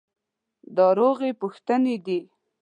دا روغې پوښتنې دي.